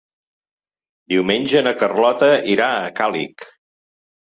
Diumenge na Carlota irà a Càlig.